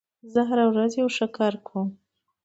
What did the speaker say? زه هره ورځ یو ښه کار کوم.